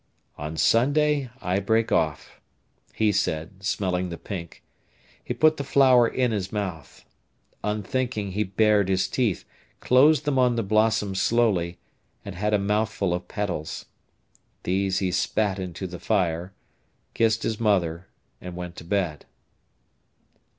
"On Sunday I break off," he said, smelling the pink. He put the flower in his mouth. Unthinking, he bared his teeth, closed them on the blossom slowly, and had a mouthful of petals. These he spat into the fire, kissed his mother, and went to bed.